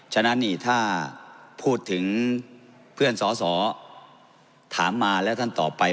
ฉะนั้นนี่ถ้าพูดถึงเพื่อนสอสอถามมาแล้วท่านตอบไป